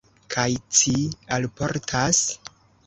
Kaj ci alportas?